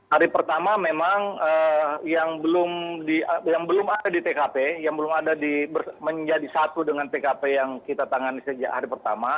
hari pertama memang yang belum ada di tkp yang belum ada menjadi satu dengan tkp yang kita tangani sejak hari pertama